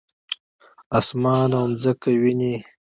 اسمان او مځکه وینې؟